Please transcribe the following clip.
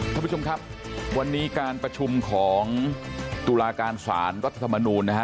ท่านผู้ชมครับวันนี้การประชุมของตุลาการสารรัฐธรรมนูลนะฮะ